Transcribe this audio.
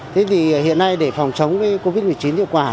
thế thì hiện nay để phòng chống covid một mươi chín hiệu quả